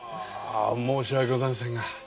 申し訳ございませんが。